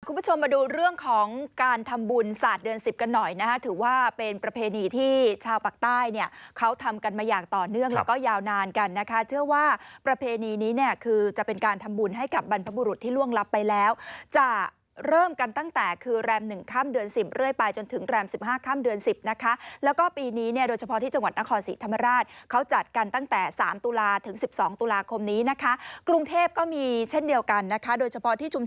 คุณผู้ชมมาดูเรื่องของการทำบุญสาดเดือน๑๐กันหน่อยนะถือว่าเป็นประเพณีที่ชาวปลักต้ายเนี่ยเขาทำกันมาอย่างต่อเนื่องแล้วก็ยาวนานกันนะคะเชื่อว่าประเพณีนี้เนี่ยคือจะเป็นการทำบุญให้กับบรรพบุรุษที่ล่วงลับไปแล้วจะเริ่มกันตั้งแต่คือแรม๑ค่ำเดือน๑๐เรื่อยไปจนถึงแรม๑๕ค่ำเดือน๑๐นะคะแล้วก็ปีนี้เนี่ยโดยเฉ